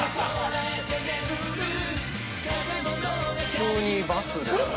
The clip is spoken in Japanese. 急にバスですね。